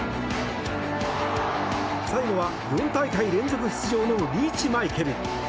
最後は４大会連続出場のリーチマイケル！